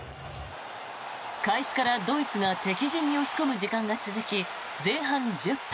開始からドイツが敵陣に押し込む時間が続き前半１０分。